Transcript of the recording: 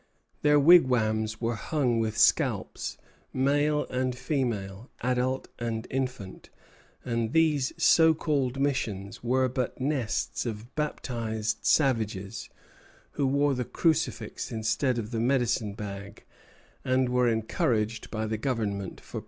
Their wigwams were hung with scalps, male and female, adult and infant; and these so called missions were but nests of baptized savages, who wore the crucifix instead of the medicine bag, and were encouraged by the Government for purposes of war.